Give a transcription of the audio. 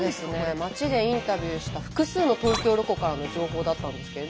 町でインタビューした複数の東京ロコからの情報だったんですけれど。